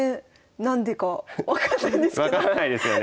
分からないですよね。